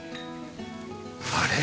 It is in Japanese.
あれ？